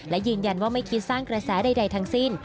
และยืนยันว่าไม่คิดสร้างกระแสใดทั้งสิ้น